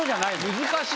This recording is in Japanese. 難しい。